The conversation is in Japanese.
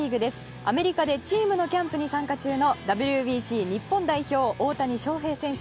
アメリカでチームのキャンプに参加中のＷＢＣ日本代表、大谷翔平選手。